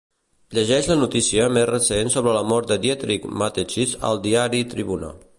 Llegeix la notícia més recent sobre la mort de Dietrich Mateschitz al diari "Tribuna".